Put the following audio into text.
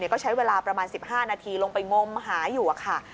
ก็ใช้เวลาประมาณ๑๕นาทีลงไปงมหาอยู่ค่ะ